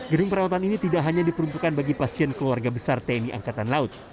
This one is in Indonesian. gedung perawatan ini tidak hanya diperuntukkan bagi pasien keluarga besar tni angkatan laut